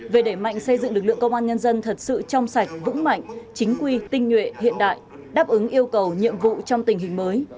về đẩy mạnh xây dựng lực lượng công an nhân dân thật sự trong sạch vững mạnh chính quy tinh nhuệ hiện đại đáp ứng yêu cầu nhiệm vụ trong tình hình mới